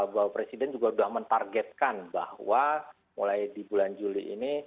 bahwa presiden juga sudah mentargetkan bahwa mulai di bulan juli ini